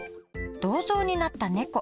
「銅像になった猫」。